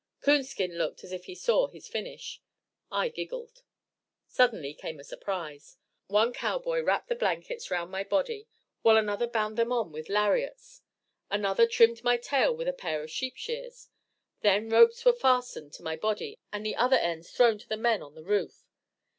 Coonskin looked as if he saw his finish. I giggled. Suddenly came a surprise. One cowboy wrapped the blankets round my body, while another bound them on with lariats; another trimmed my tail with a pair of sheepshears. Then ropes were fastened to my body and the other ends thrown to the men on the roof.